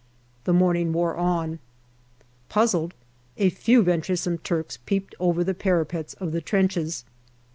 The morning wore on. Puzzled, a few venturesome Turks peeped over the parapets of the trenches.